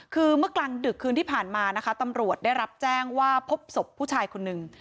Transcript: คือเมื่อกลางดึกคืนที่ผ่านมานะคะตำรวจได้รับแจ้งว่าพบศพผู้ชายคนหนึ่ง